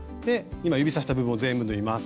今指さした部分を全部縫います。